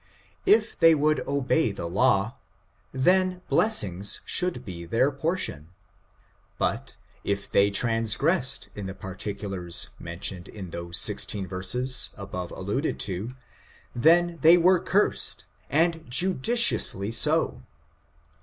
If they would obey the law, then blessings should be their portion, but if they transgressed in the particulars mentioned in those sixteen verses above alluded to, then they were cursed, and judicially so.